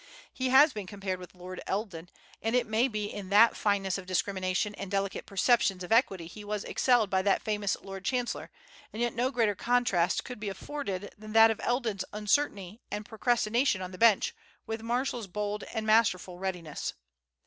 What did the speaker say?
He has been compared with Lord Eldon; and it may be that in fineness of discrimination and delicate perceptions of equity he was excelled by that famous Lord Chancellor; and yet no greater contrast could be afforded than that of Eldon's uncertainty and procrastination on the bench with Marshall's bold and masterful readiness.